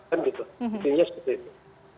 artinya seperti itu